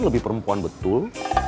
lebih perempuan betul